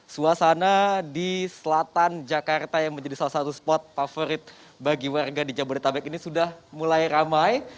suasana di selatan jakarta yang menjadi salah satu spot favorit bagi warga di jabodetabek ini sudah mulai ramai